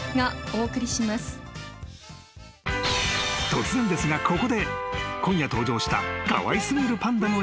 ［突然ですがここで今夜登場した］